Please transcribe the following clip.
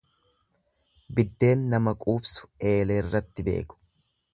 Biddeen nama quubsu eeleerratti beeku.